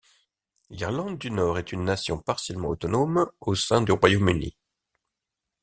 L'Irlande du Nord est une nation partiellement autonome au sein du Royaume-Uni.